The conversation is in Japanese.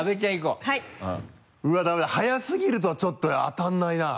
うわぁダメだ早すぎるとちょっと当たんないな。